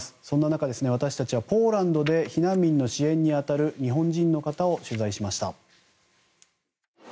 そんな中、私たちはポーランドで避難民の支援にあたる日本人の方を取材しました。